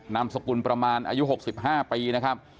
นามสกุลประมาณอายุหกสิบห้าปีนะครับ